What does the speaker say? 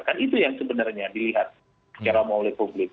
kan itu yang sebenarnya dilihat secara umum oleh publik